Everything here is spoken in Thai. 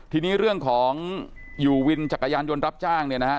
ทีนี้เรื่องของอยู่วินจักรยานยนต์รับจ้างเนี่ยนะฮะ